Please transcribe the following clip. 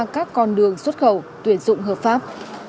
các con đường xuất khẩu tuyển dụng hợp pháp